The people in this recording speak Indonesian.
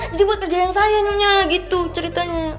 jadi buat kerjanya saya nyonya gitu ceritanya